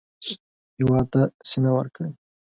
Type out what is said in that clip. هېواد ته سینه ورکړئ